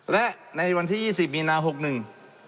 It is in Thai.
และในวันที่ยี่สิบมีนาหกหนึ่ง